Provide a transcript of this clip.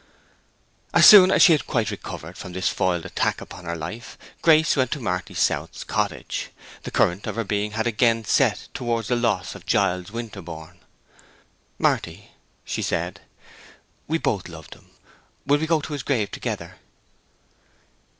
As soon as she had quite recovered from this foiled attack upon her life, Grace went to Marty South's cottage. The current of her being had again set towards the lost Giles Winterborne. "Marty," she said, "we both loved him. We will go to his grave together."